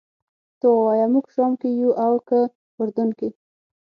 ته ووایه موږ شام کې یو او که اردن کې.